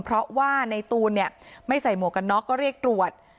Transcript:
เพราะว่าในตูนเนี่ยไม่ใส่หมวกกันน็อกก็เรียกตรวจ